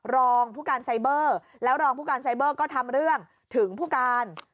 รองผู้การไซเบอร์แล้วรองผู้การไซเบอร์ก็ทำเรื่องถึงผู้การ